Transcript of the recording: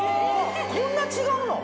こんな違うの？